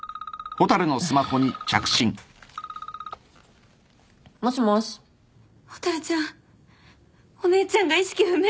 蛍ちゃんお姉ちゃんが意識不明だって。